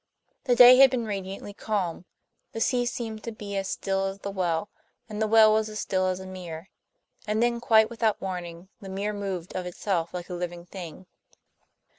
The day had been radiantly calm; the sea seemed to be as still as the well, and the well was as still as a mirror. And then, quite without warning, the mirror moved of itself like a living thing.